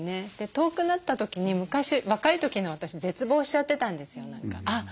遠くなった時に昔若い時の私絶望しちゃってたんですよ何か。